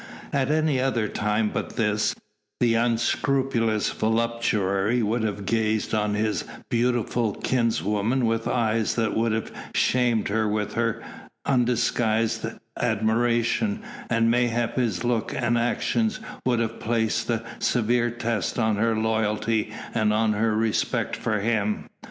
At any other time but this, the unscrupulous voluptuary would have gazed on his beautiful kinswoman with eyes that would have shamed her with their undisguised admiration, and mayhap his look and actions would have placed a severe test on her loyalty and on her respect for him.